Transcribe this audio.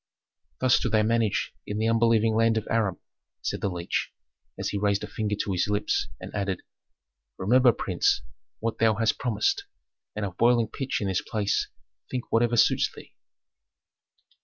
"Thus do they manage in the unbelieving land of Aram," said the leech, as he raised a finger to his lips, and added, "Remember, prince, what thou hast promised, and of boiling pitch in this place think whatever suits thee."